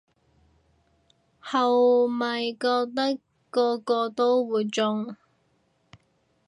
後咪覺得個個都會中